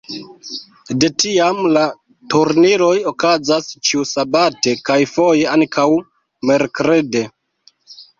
De tiam la turniroj okazas ĉiusabate, kaj foje ankaŭ merkrede.